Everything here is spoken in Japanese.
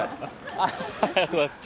ありがとうございます。